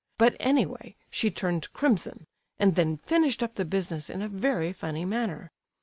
But anyway, she turned crimson, and then finished up the business in a very funny manner.